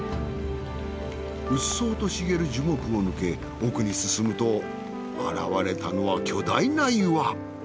うっそうと茂る樹木を抜け奥に進むと現れたのは巨大な岩。